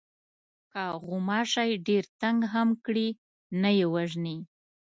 که غوماشی ډېر تنگ هم کړي نه یې وژنې.